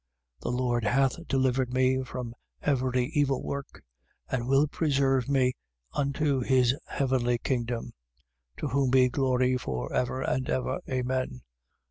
4:18. The Lord hath delivered me from every evil work and will preserve me unto his heavenly kingdom. To whom be glory for ever and ever. Amen.